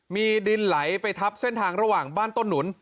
มีดินไหลไปทับเส้นทางระหว่างบ้านต้นหนุน